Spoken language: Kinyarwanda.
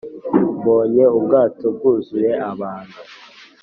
mbonye ubwato bwuzuye abantu